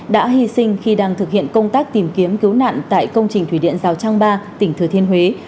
đã hy sinh khi đang thực hiện công tác tìm kiếm cứu nạn tại công trình thủy điện rào trang ba tỉnh thừa thiên huế